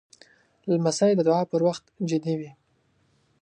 لمسی د دعا پر وخت جدي وي.